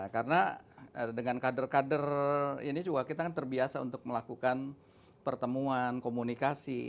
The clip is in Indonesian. karena dengan kader kader ini juga kita terbiasa untuk melakukan pertemuan komunikasi